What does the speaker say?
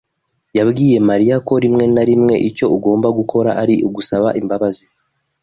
yabwiye Mariya ko rimwe na rimwe icyo ugomba gukora ari ugusaba imbabazi.